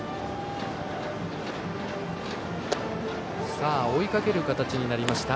さあ、追いかける形になりました